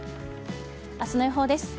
明日の予報です。